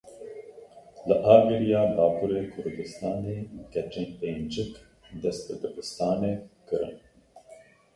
Li Agiriya Bakurê Kurdistanê keçên pêncik dest bi dibistanê kirin.